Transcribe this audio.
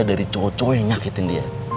dari cocok yang nyakitin dia